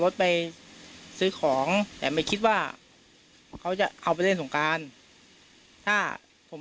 รถไปซื้อของแต่ไม่คิดว่าเขาจะเอาไปเล่นสงการถ้าผม